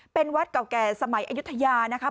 เป็นวัดเก่าแก่สมัยอายุทยานะคะ